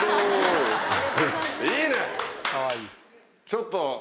ちょっと。